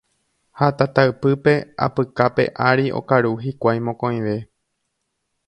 ha tataypýpe apykape ári okaru hikuái mokõive.